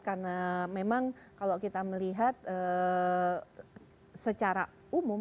karena memang kalau kita melihat secara umum